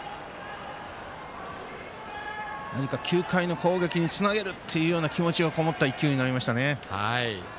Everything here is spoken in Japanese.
９回の攻撃につなげるっていう気持ちがこもった１球になりましたね。